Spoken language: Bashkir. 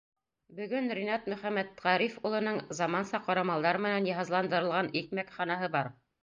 Бөгөн Ринат Мөхәммәтғариф улының заманса ҡорамалдар менән йыһазландырылған икмәкханаһы бар.